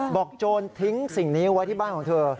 โจรทิ้งสิ่งนี้ไว้ที่บ้านของเธอ